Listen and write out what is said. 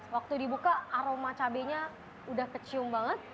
waktu dibuka aroma cabainya udah kecium banget